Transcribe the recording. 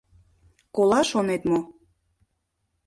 Кола, шонет мо?